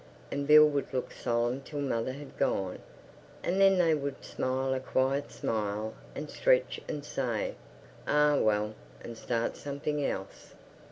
And Bill would look solemn till mother had gone, and then they would smile a quiet smile, and stretch and say, "Ah, well!" and start something else.